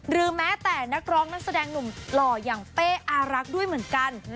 แม้แต่นักร้องนักแสดงหนุ่มหล่ออย่างเป้อารักด้วยเหมือนกัน